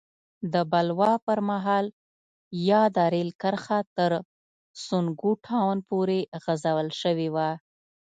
د بلوا پر مهال یاده رېل کرښه تر سونګو ټاون پورې غځول شوې وه.